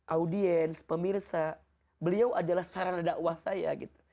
audiens pemirsa beliau adalah sarana dakwah saya gitu